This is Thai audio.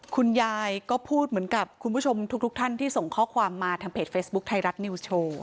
คุณยายก็พูดเหมือนกับคุณผู้ชมทุกท่านที่ส่งข้อความมาทางเพจเฟซบุ๊คไทยรัฐนิวส์โชว์